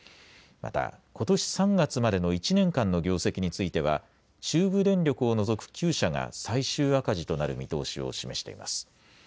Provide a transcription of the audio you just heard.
また、ことし３月までの１年間の業績については、中部電力を除く９社が最終赤字となる見通しを示しています。